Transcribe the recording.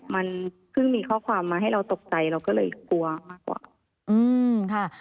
มันเพิ่งมีข้อความมาให้เราตกใจเราก็เลยกลัวมากกว่าอืมค่ะ